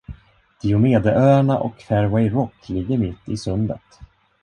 Diomedeöarna och Fairway Rock ligger mitt i sundet.